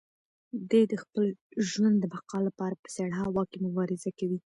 دی د خپل ژوند د بقا لپاره په سړه هوا کې مبارزه کوي.